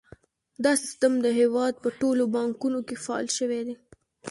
دا سیستم د هیواد په ټولو بانکونو کې فعال شوی دی۔